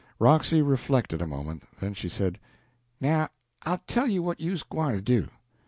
Roxy reflected a moment, then she said "Now I'll tell you what you's gwine to do.